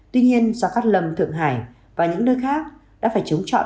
tuy nhiên do cát lâm thượng hải và những nơi khác đã phải chống trọi